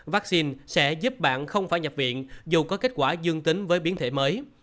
vaccine sẽ giúp bạn không phải nhập viện dù có kết quả dương tính với biến thể mới